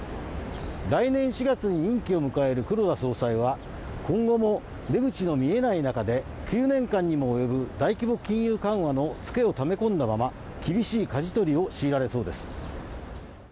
来年４月に任期を迎える黒田総裁は今後も出口の見えない中で９年間にも及ぶ大規模金融緩和のツケをため込んだまま厳しいかじ取りを強いられそうです。